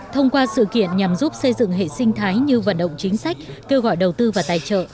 thông qua sự kiện nhằm giúp xây dựng hệ sinh thái như vận động chính sách kêu gọi đầu tư và tài trợ